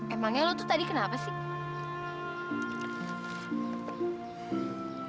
emangnya lo tuh tadi kenapa sih